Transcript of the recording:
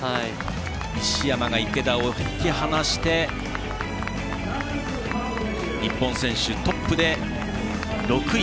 西山が池田を引き離して日本選手トップで６位。